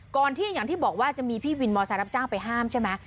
ก่อนที่อย่างที่บอกว่าจะมีพี่วินมอเตอร์ไซด์รับจ้างไปห้ามใช่ไหม